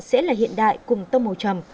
sẽ là hiện đại cùng tông màu trầm